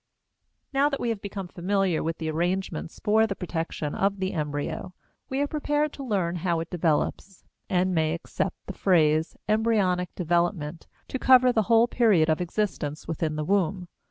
Now that we have become familiar with the arrangements for the protection of the embryo, we are prepared to learn how it develops, and may accept the phrase, embryonic development, to cover the whole period of existence within the womb.